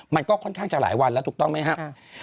มันก็ค่อนข้างจะหลายวันแล้วถูกต้องไหมครับ